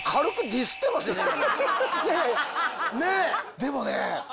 でもね。